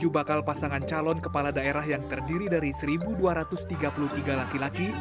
tujuh bakal pasangan calon kepala daerah yang terdiri dari satu dua ratus tiga puluh tiga laki laki